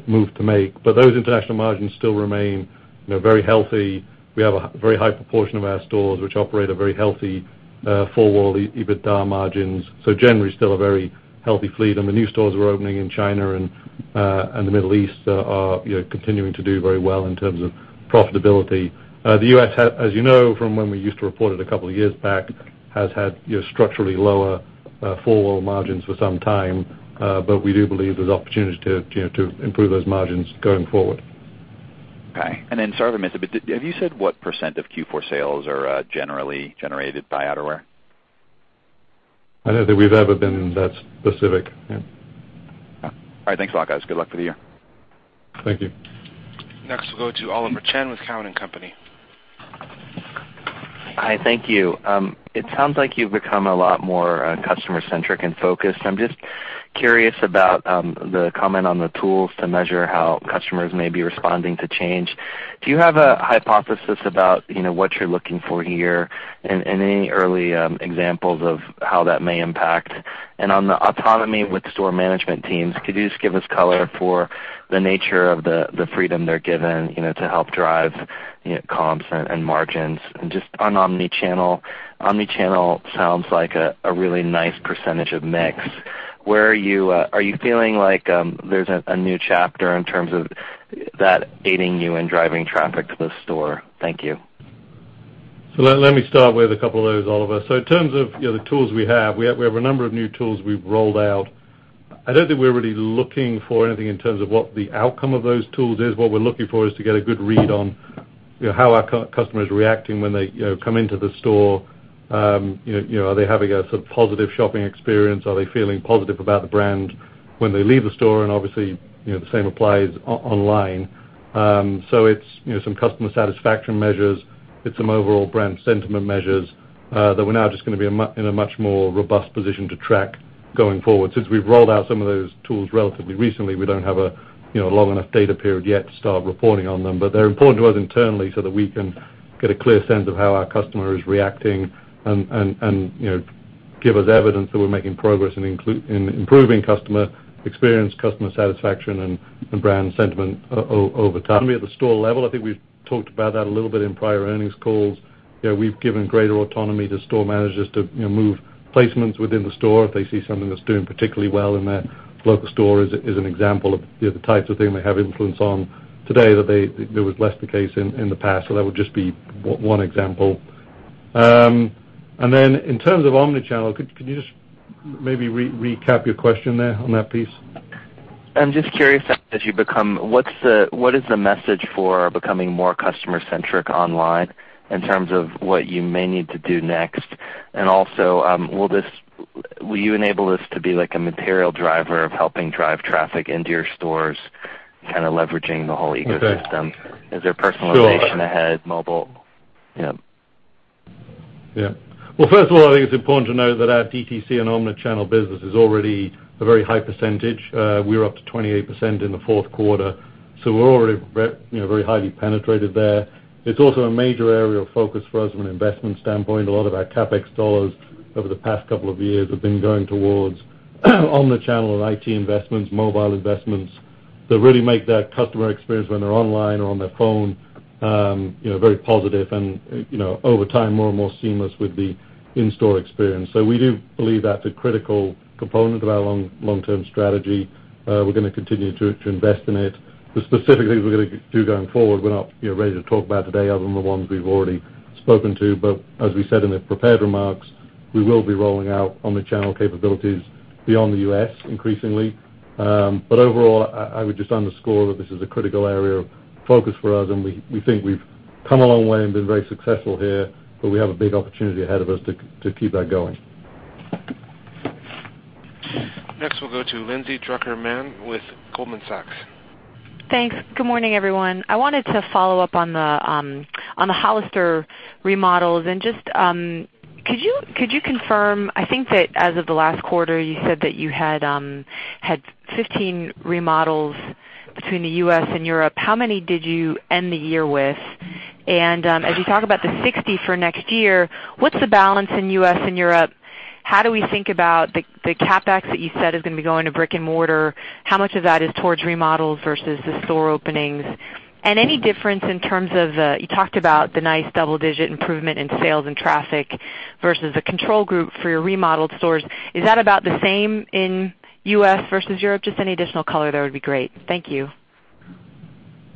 [SPEAKER 4] move to make. Those international margins still remain very healthy. We have a very high proportion of our stores which operate at very healthy four-wall EBITDA margins. Generally, still a very healthy fleet. The new stores we're opening in China and the Middle East are continuing to do very well in terms of profitability. The U.S., as you know from when we used to report it a couple of years back, has had structurally lower four-wall margins for some time. We do believe there's opportunity to improve those margins going forward.
[SPEAKER 15] Okay. Sorry if I missed it, have you said what % of Q4 sales are generally generated by outerwear?
[SPEAKER 4] I don't think we've ever been that specific. Yeah.
[SPEAKER 15] All right. Thanks a lot, guys. Good luck for the year.
[SPEAKER 4] Thank you.
[SPEAKER 1] Next, we'll go to Oliver Chen with Cowen and Company.
[SPEAKER 16] Hi. Thank you. It sounds like you've become a lot more customer-centric and focused. I'm just curious about the comment on the tools to measure how customers may be responding to change. Do you have a hypothesis about what you're looking for here, and any early examples of how that may impact? On the autonomy with store management teams, could you just give us color for the nature of the freedom they're given to help drive comps and margins. Just on omnichannel sounds like a really nice percentage of mix. Are you feeling like there's a new chapter in terms of that aiding you in driving traffic to the store? Thank you.
[SPEAKER 4] Let me start with a couple of those, Oliver. In terms of the tools we have, we have a number of new tools we've rolled out. I don't think we're really looking for anything in terms of what the outcome of those tools is. What we're looking for is to get a good read on how our customer is reacting when they come into the store. Are they having a sort of positive shopping experience? Are they feeling positive about the brand when they leave the store? Obviously, the same applies online. It's some customer satisfaction measures. It's some overall brand sentiment measures that we're now just going to be in a much more robust position to track going forward. Since we've rolled out some of those tools relatively recently, we don't have a long enough data period yet to start reporting on them. They're important to us internally so that we can get a clear sense of how our customer is reacting and give us evidence that we're making progress in improving customer experience, customer satisfaction, and brand sentiment over time. At the store level, I think we've talked about that a little bit in prior earnings calls. We've given greater autonomy to store managers to move placements within the store if they see something that's doing particularly well in their local store is an example of the type of thing they have influence on today that was less the case in the past. That would just be one example. Then in terms of omnichannel, can you just maybe recap your question there on that piece?
[SPEAKER 16] I'm just curious what is the message for becoming more customer-centric online in terms of what you may need to do next? Also, will you enable this to be like a material driver of helping drive traffic into your stores, kind of leveraging the whole ecosystem?
[SPEAKER 4] Okay.
[SPEAKER 16] Is there personalization ahead mobile? Yeah.
[SPEAKER 4] Yeah. Well, first of all, I think it's important to note that our DTC and omnichannel business is already a very high percentage. We were up to 28% in the fourth quarter, so we're already very highly penetrated there. It's also a major area of focus for us from an investment standpoint. A lot of our CapEx dollars over the past couple of years have been going towards omnichannel and IT investments, mobile investments, that really make that customer experience when they're online or on their phone, very positive and, over time, more and more seamless with the in-store experience. We do believe that's a critical component of our long-term strategy. We're going to continue to invest in it. The specific things we're going to do going forward, we're not ready to talk about today other than the ones we've already spoken to. As we said in the prepared remarks, we will be rolling out omnichannel capabilities beyond the U.S. increasingly. Overall, I would just underscore that this is a critical area of focus for us, and we think we've come a long way and been very successful here, but we have a big opportunity ahead of us to keep that going.
[SPEAKER 1] Next, we'll go to Lindsay Drucker Mann with Goldman Sachs.
[SPEAKER 17] Thanks. Good morning, everyone. I wanted to follow up on the Hollister remodels. Just, could you confirm, I think that as of the last quarter, you said that you had 15 remodels between the U.S. and Europe. How many did you end the year with? As you talk about the 60 for next year, what's the balance in U.S. and Europe? How do we think about the CapEx that you said is going to be going to brick-and-mortar? How much of that is towards remodels versus the store openings? Any difference in terms of, you talked about the nice double-digit improvement in sales and traffic versus the control group for your remodeled stores. Is that about the same in U.S. versus Europe? Just any additional color there would be great. Thank you.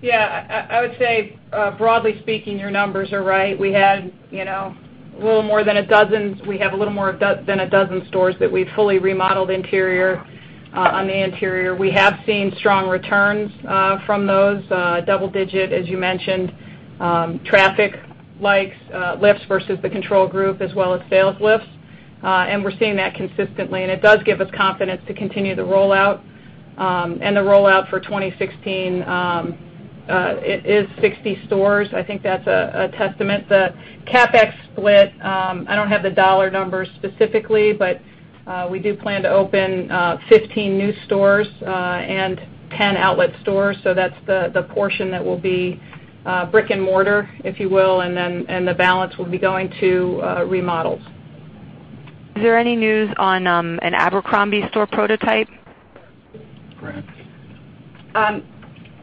[SPEAKER 5] Yeah. I would say, broadly speaking, your numbers are right. We have a little more than a dozen stores that we've fully remodeled on the interior. We have seen strong returns from those. Double-digit, as you mentioned. Traffic lifts versus the control group as well as sales lifts. We're seeing that consistently, and it does give us confidence to continue the rollout. The rollout for 2016, it is 60 stores. I think that's a testament. The CapEx split, I don't have the dollar numbers specifically, but we do plan to open 15 new stores and 10 outlet stores. That's the portion that will be brick-and-mortar, if you will, and the balance will be going to remodels.
[SPEAKER 17] Is there any news on an Abercrombie store prototype?
[SPEAKER 4] Fran?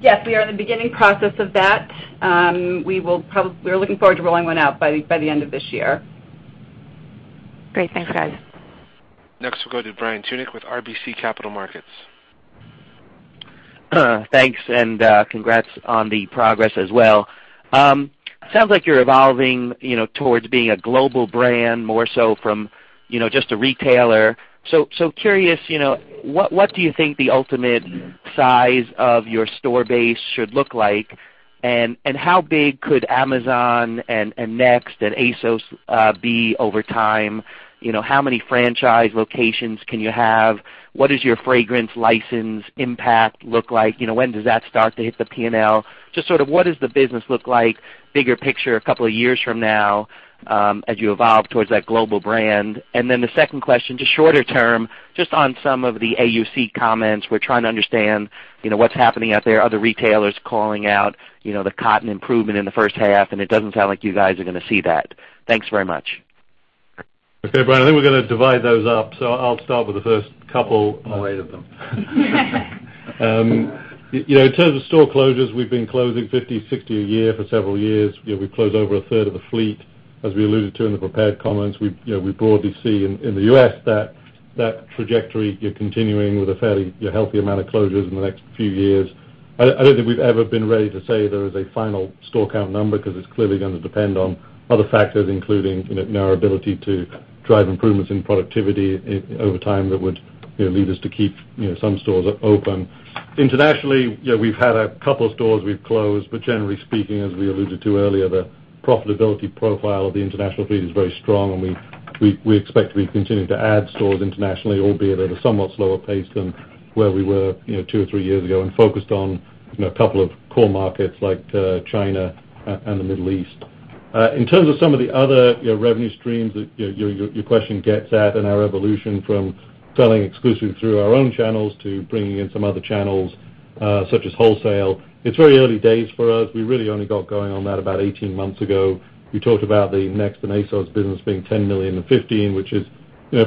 [SPEAKER 6] Yes. We are in the beginning process of that. We're looking forward to rolling one out by the end of this year.
[SPEAKER 17] Great. Thanks, guys.
[SPEAKER 1] Next, we'll go to Brian Tunick with RBC Capital Markets.
[SPEAKER 18] Thanks. Congrats on the progress as well. Sounds like you're evolving towards being a global brand more so from just a retailer. Curious, what do you think the ultimate size of your store base should look like? How big could Amazon and Next and ASOS be over time? How many franchise locations can you have? What does your fragrance license impact look like? When does that start to hit the P&L? Just sort of what does the business look like, bigger picture, a couple of years from now as you evolve towards that global brand? The second question, just shorter term, just on some of the AUC comments. We're trying to understand what's happening out there. Other retailers calling out the cotton improvement in the first half. It doesn't sound like you guys are going to see that. Thanks very much.
[SPEAKER 4] Okay, Brian, I think we're going to divide those up. I'll start with the first couple.
[SPEAKER 5] I'll handle eight of them.
[SPEAKER 4] In terms of store closures, we've been closing 50, 60 a year for several years. We close over a third of the fleet. As we alluded to in the prepared comments, we broadly see in the U.S. that trajectory continuing with a fairly healthy amount of closures in the next few years. I don't think we've ever been ready to say there is a final store count number because it's clearly going to depend on other factors, including our ability to drive improvements in productivity over time that would lead us to keep some stores open. Internationally, we've had a couple stores we've closed, generally speaking, as we alluded to earlier, the profitability profile of the international fleet is very strong, and we expect to be continuing to add stores internationally, albeit at a somewhat slower pace than where we were two or three years ago, and focused on a couple of core markets like China and the Middle East. In terms of some of the other revenue streams that your question gets at and our evolution from selling exclusively through our own channels to bringing in some other channels such as wholesale, it's very early days for us. We really only got going on that about 18 months ago. We talked about the Next and ASOS business being $10 million-$15 million, which is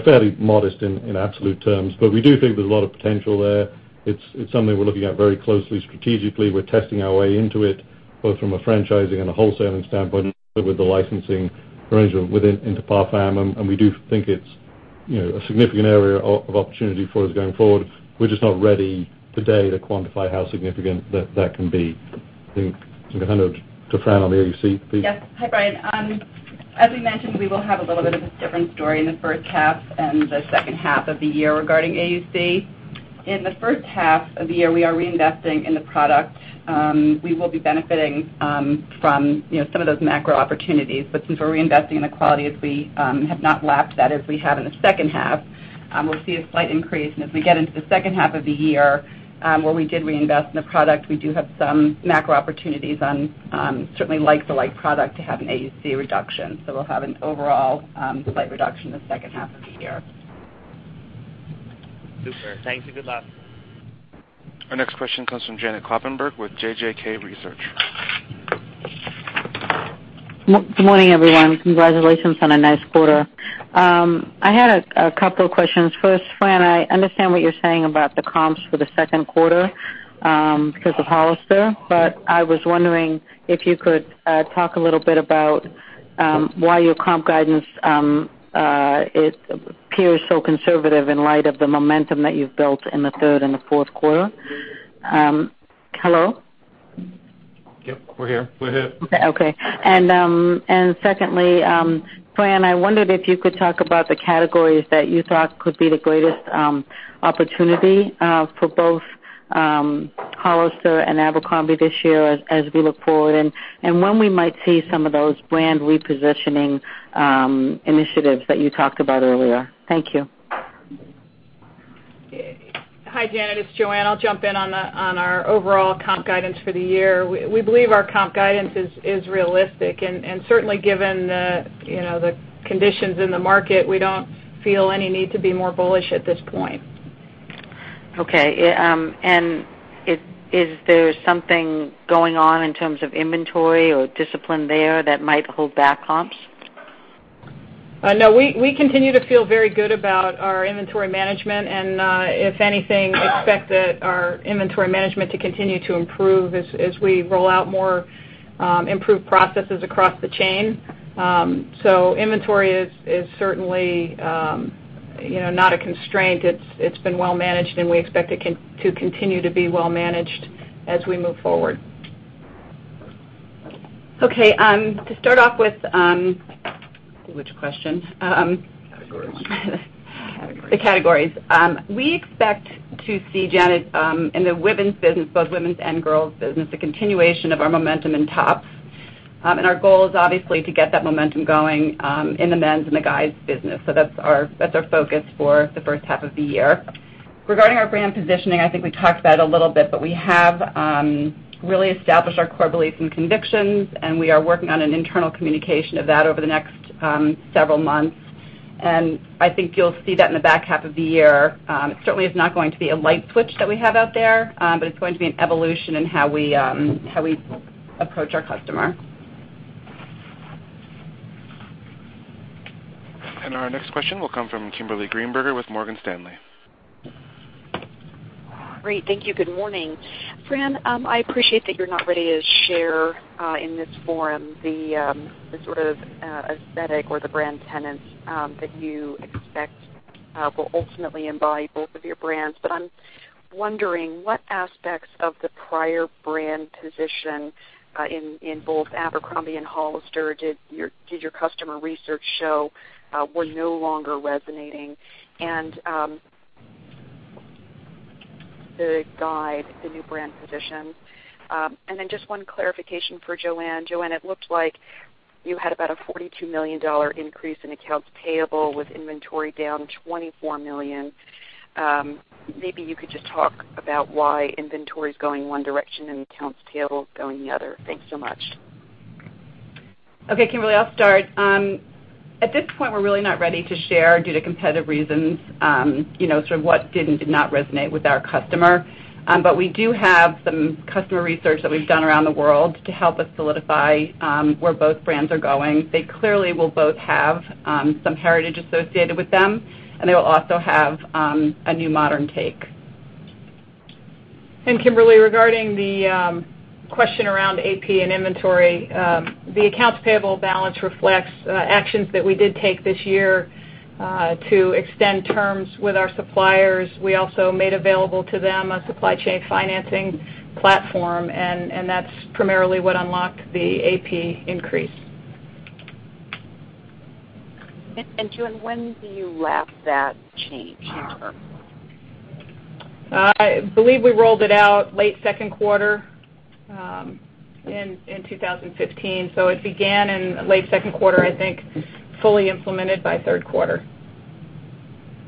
[SPEAKER 4] fairly modest in absolute terms. We do think there's a lot of potential there. It's something we're looking at very closely strategically. We're testing our way into it, both from a franchising and a wholesaling standpoint, and also with the licensing arrangement with Interparfums, we do think it's a significant area of opportunity for us going forward. We're just not ready today to quantify how significant that can be. I think I'm going to hand over to Fran on the AUC piece.
[SPEAKER 6] Yes. Hi, Brian. As we mentioned, we will have a little bit of a different story in the first half and the second half of the year regarding AUC. In the first half of the year, we are reinvesting in the product. We will be benefiting from some of those macro opportunities, since we're reinvesting in the quality, we have not lapped that as we have in the second half. We'll see a slight increase. As we get into the second half of the year, where we did reinvest in the product, we do have some macro opportunities on certainly like-to-like product to have an AUC reduction. We'll have an overall slight reduction in the second half of the year.
[SPEAKER 18] Super. Thank you. Good luck.
[SPEAKER 1] Our next question comes from Janet Kloppenburg with JJK Research.
[SPEAKER 19] Good morning, everyone. Congratulations on a nice quarter. I had a couple of questions. First, Fran, I understand what you're saying about the comps for the second quarter because of Hollister, but I was wondering if you could talk a little bit about why your comp guidance appears so conservative in light of the momentum that you've built in the third and the fourth quarter. Hello?
[SPEAKER 4] Yep, we're here.
[SPEAKER 5] We're here.
[SPEAKER 19] Okay. Secondly, Fran, I wondered if you could talk about the categories that you thought could be the greatest opportunity for both Hollister and Abercrombie this year as we look forward, and when we might see some of those brand repositioning initiatives that you talked about earlier. Thank you.
[SPEAKER 5] Hi, Janet, it's Joanne. I'll jump in on our overall comp guidance for the year. We believe our comp guidance is realistic, and certainly given the conditions in the market, we don't feel any need to be more bullish at this point.
[SPEAKER 19] Okay. Is there something going on in terms of inventory or discipline there that might hold back comps?
[SPEAKER 5] No, we continue to feel very good about our inventory management, and, if anything, expect our inventory management to continue to improve as we roll out more improved processes across the chain. Inventory is certainly not a constraint. It's been well managed, and we expect it to continue to be well managed as we move forward.
[SPEAKER 6] Okay. To start off with, which question?
[SPEAKER 4] Categories.
[SPEAKER 6] The categories. We expect to see, Janet, in the women's business, both women's and girls' business, a continuation of our momentum in tops. Our goal is obviously to get that momentum going in the men's and the guys' business. That's our focus for the first half of the year. Regarding our brand positioning, I think we talked about it a little bit, but we have really established our core beliefs and convictions, and we are working on an internal communication of that over the next several months. I think you'll see that in the back half of the year. It certainly is not going to be a light switch that we have out there. It's going to be an evolution in how we approach our customer.
[SPEAKER 1] Our next question will come from Kimberly Greenberger with Morgan Stanley.
[SPEAKER 20] Great, thank you. Good morning. Fran, I appreciate that you're not ready to share in this forum the sort of aesthetic or the brand tenets that you expect will ultimately embody both of your brands. I'm wondering what aspects of the prior brand position in both Abercrombie and Hollister did your customer research show were no longer resonating, and. To guide the new brand position. Just one clarification for Joanne. Joanne, it looked like you had about a $42 million increase in accounts payable with inventory down $24 million. Maybe you could just talk about why inventory is going one direction and accounts payable is going the other. Thanks so much.
[SPEAKER 6] Okay, Kimberly, I'll start. At this point, we're really not ready to share due to competitive reasons, sort of what did and did not resonate with our customer. We do have some customer research that we've done around the world to help us solidify where both brands are going. They clearly will both have some heritage associated with them, and they will also have a new modern take.
[SPEAKER 5] Kimberly, regarding the question around AP and inventory. The accounts payable balance reflects actions that we did take this year to extend terms with our suppliers. We also made available to them a supply chain financing platform, and that's primarily what unlocked the AP increase.
[SPEAKER 20] Joanne, when do you lap that change over?
[SPEAKER 5] I believe we rolled it out late second quarter in 2015. It began in late second quarter, I think, fully implemented by third quarter.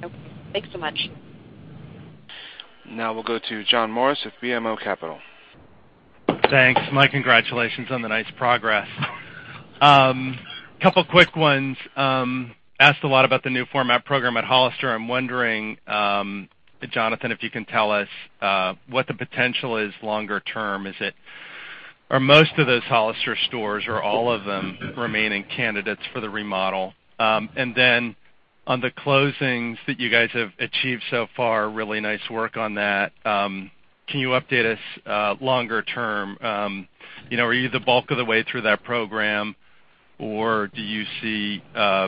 [SPEAKER 20] Okay. Thanks so much.
[SPEAKER 1] We'll go to John Morris with BMO Capital.
[SPEAKER 21] Thanks. My congratulations on the nice progress. Couple quick ones. Asked a lot about the new format program at Hollister. I'm wondering, Jonathan, if you can tell us what the potential is longer term. Are most of those Hollister stores or all of them remaining candidates for the remodel? On the closings that you guys have achieved so far, really nice work on that. Can you update us longer term? Are you the bulk of the way through that program or do you see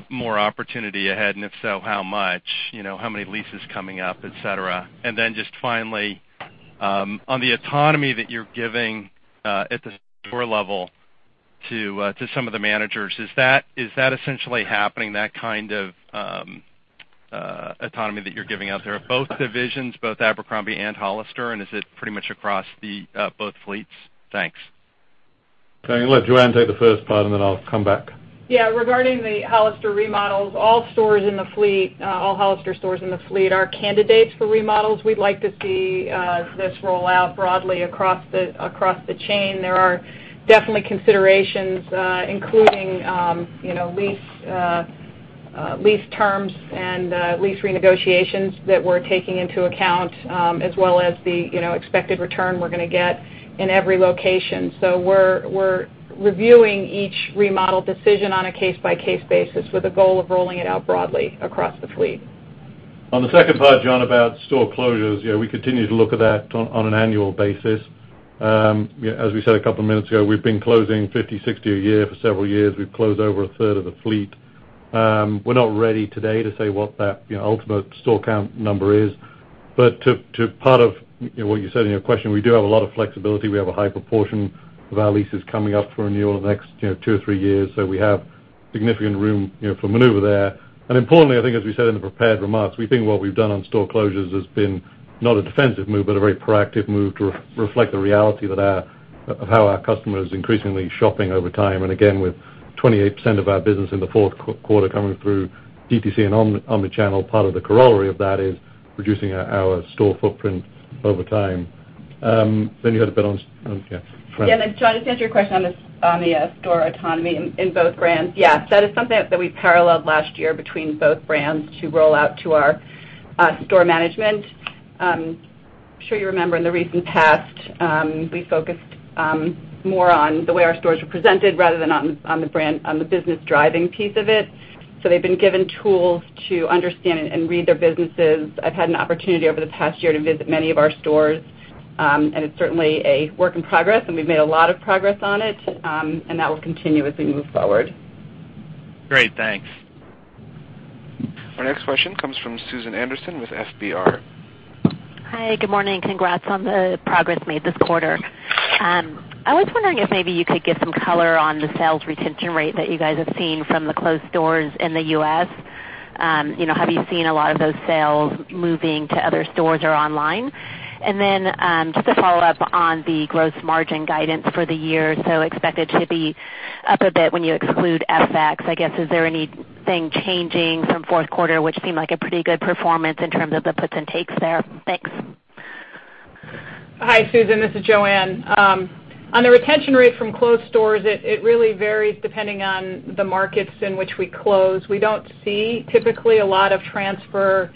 [SPEAKER 21] more opportunity ahead? If so, how much? How many leases coming up, et cetera. Just finally, on the autonomy that you're giving at the store level to some of the managers, is that essentially happening, that kind of autonomy that you're giving out there at both divisions, both Abercrombie and Hollister? Is it pretty much across both fleets? Thanks.
[SPEAKER 4] I'm going to let Joanne take the first part and then I'll come back.
[SPEAKER 5] Regarding the Hollister remodels, all stores in the fleet, all Hollister stores in the fleet are candidates for remodels. We'd like to see this roll out broadly across the chain. There are definitely considerations including lease terms and lease renegotiations that we're taking into account as well as the expected return we're going to get in every location. We're reviewing each remodel decision on a case-by-case basis with the goal of rolling it out broadly across the fleet.
[SPEAKER 4] On the second part, John, about store closures. We continue to look at that on an annual basis. As we said a couple of minutes ago, we've been closing 50, 60 a year for several years. We've closed over a third of the fleet. We're not ready today to say what that ultimate store count number is. To part of what you said in your question, we do have a lot of flexibility. We have a high proportion of our leases coming up for renewal in the next two or three years. We have significant room for maneuver there. Importantly, I think as we said in the prepared remarks, we think what we've done on store closures has been not a defensive move, but a very proactive move to reflect the reality of how our customer is increasingly shopping over time. Again, with 28% of our business in the fourth quarter coming through DTC and omnichannel, part of the corollary of that is reducing our store footprint over time. You had a bit on.
[SPEAKER 6] John, just to answer your question on the store autonomy in both brands. That is something that we paralleled last year between both brands to roll out to our store management. I'm sure you remember in the recent past, we focused more on the way our stores were presented rather than on the business driving piece of it. They've been given tools to understand and read their businesses. I've had an opportunity over the past year to visit many of our stores, and it's certainly a work in progress, and we've made a lot of progress on it. That will continue as we move forward.
[SPEAKER 21] Great. Thanks.
[SPEAKER 1] Our next question comes from Susan Anderson with FBR.
[SPEAKER 22] Hi. Good morning. Congrats on the progress made this quarter. I was wondering if maybe you could give some color on the sales retention rate that you guys have seen from the closed stores in the U.S. Have you seen a lot of those sales moving to other stores or online? Then just a follow-up on the gross margin guidance for the year. Expected to be up a bit when you exclude FX. I guess, is there anything changing from fourth quarter, which seemed like a pretty good performance in terms of the puts and takes there? Thanks.
[SPEAKER 5] Hi, Susan. This is Joanne. On the retention rate from closed stores, it really varies depending on the markets in which we close. We don't see typically a lot of transfer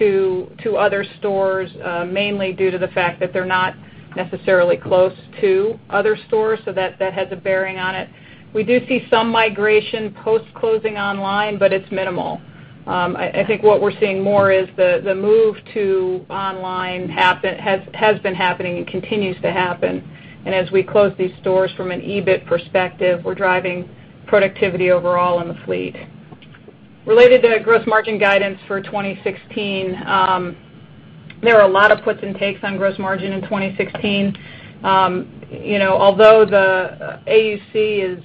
[SPEAKER 5] to other stores, mainly due to the fact that they're not necessarily close to other stores. That has a bearing on it. We do see some migration post-closing online, but it's minimal. I think what we're seeing more is the move to online has been happening and continues to happen. As we close these stores from an EBIT perspective, we're driving productivity overall in the fleet. Related to gross margin guidance for 2016. There are a lot of puts and takes on gross margin in 2016. Although the AUC is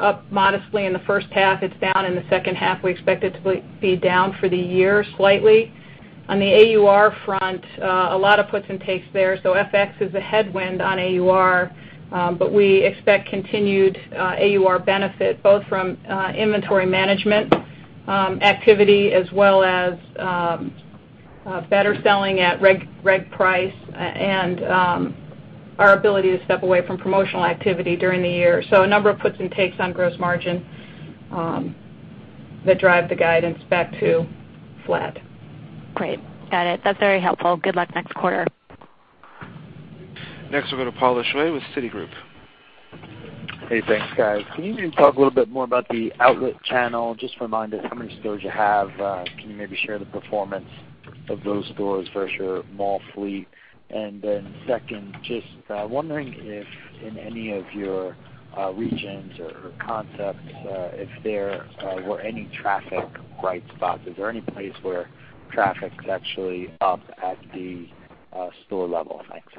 [SPEAKER 5] up modestly in the first half, it's down in the second half. We expect it to be down for the year slightly. On the AUR front, a lot of puts and takes there. FX is a headwind on AUR, but we expect continued AUR benefit both from inventory management activity as well as better selling at reg price and our ability to step away from promotional activity during the year. A number of puts and takes on gross margin that drive the guidance back to flat.
[SPEAKER 22] Great. Got it. That's very helpful. Good luck next quarter.
[SPEAKER 1] Next, we'll go to Paul Lejuez with Citigroup.
[SPEAKER 23] Thanks, guys. Can you maybe talk a little bit more about the outlet channel? Just remind us how many stores you have. Can you maybe share the performance of those stores versus your mall fleet? Second, just wondering if in any of your regions or concepts, if there were any traffic bright spots. Is there any place where traffic's actually up at the store level? Thanks.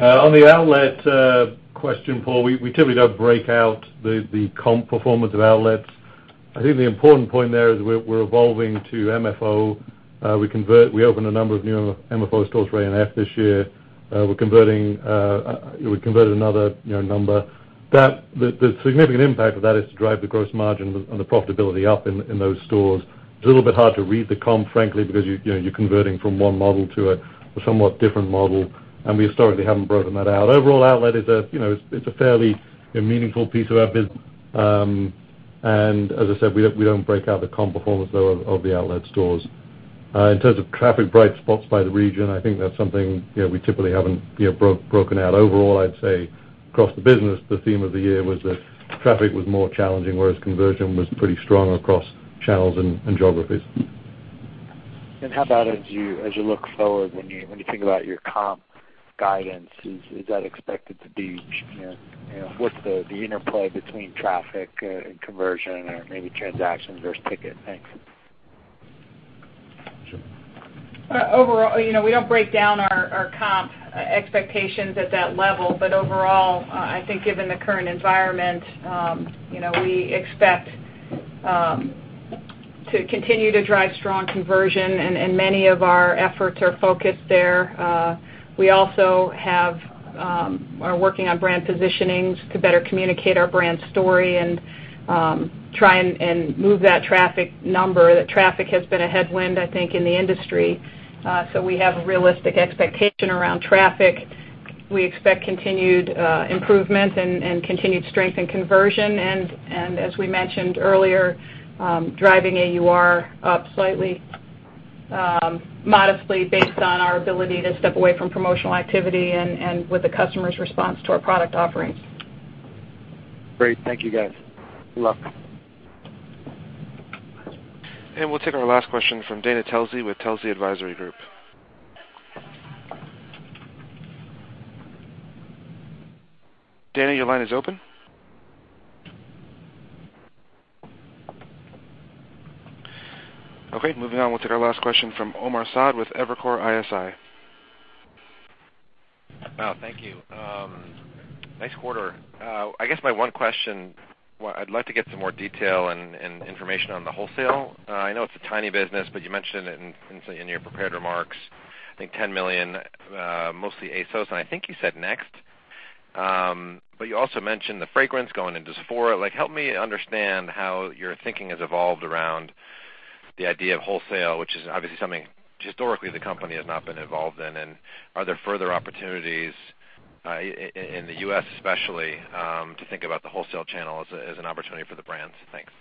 [SPEAKER 4] On the outlet question, Paul, we typically don't break out the comp performance of outlets. I think the important point there is we're evolving to MFO. We opened a number of new MFO stores for A&F this year. We converted another number. The significant impact of that is to drive the gross margin and the profitability up in those stores. It's a little bit hard to read the comp, frankly, because you're converting from one model to a somewhat different model, and we historically haven't broken that out. Overall outlet, it's a fairly meaningful piece of our business. As I said, we don't break out the comp performance, though, of the outlet stores. In terms of traffic bright spots by the region, I think that's something we typically haven't broken out. Overall, I'd say across the business, the theme of the year was that traffic was more challenging, whereas conversion was pretty strong across channels and geographies.
[SPEAKER 23] How about as you look forward, when you think about your comp guidance, is that expected to be? What's the interplay between traffic and conversion or maybe transactions versus ticket? Thanks.
[SPEAKER 5] Overall, we don't break down our comp expectations at that level. Overall, I think given the current environment, we expect to continue to drive strong conversion, and many of our efforts are focused there. We also are working on brand positionings to better communicate our brand story and try and move that traffic number. Traffic has been a headwind, I think, in the industry. We have a realistic expectation around traffic. We expect continued improvement and continued strength in conversion, and as we mentioned earlier, driving AUR up slightly modestly based on our ability to step away from promotional activity and with the customer's response to our product offerings.
[SPEAKER 23] Great. Thank you guys. Good luck.
[SPEAKER 1] We'll take our last question from Dana Telsey with Telsey Advisory Group. Dana, your line is open. Okay, moving on, we'll take our last question from Omar Saad with Evercore ISI.
[SPEAKER 24] Wow. Thank you. Nice quarter. I guess my one question, I'd like to get some more detail and information on the wholesale. I know it's a tiny business, but you mentioned it in your prepared remarks. I think $10 million, mostly ASOS, and I think you said Next. You also mentioned the fragrance going into Sephora. Help me understand how your thinking has evolved around the idea of wholesale, which is obviously something historically the company has not been involved in. Are there further opportunities in the U.S. especially, to think about the wholesale channel as an opportunity for the brands? Thanks.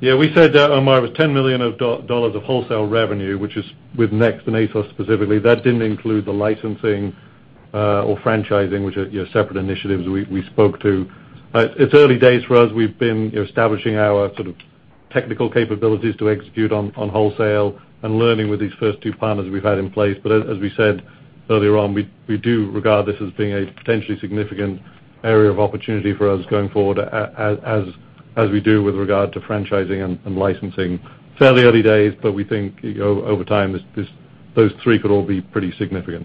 [SPEAKER 4] Yeah, we said, Omar, it was $10 million of wholesale revenue, which is with Next and ASOS specifically. That didn't include the licensing or franchising, which are separate initiatives we spoke to. It's early days for us. We've been establishing our sort of technical capabilities to execute on wholesale and learning with these first two partners we've had in place. As we said earlier on, we do regard this as being a potentially significant area of opportunity for us going forward as we do with regard to franchising and licensing. Fairly early days, but we think over time, those three could all be pretty significant.